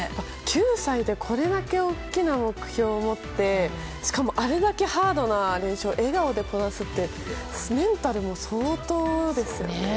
９歳でこれだけ大きな目標を持ってしかもあれだけハードな練習を笑顔でこなすってメンタルも相当ですね。